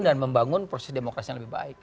dan membangun proses demokrasi yang lebih baik